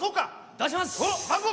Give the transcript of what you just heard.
出します！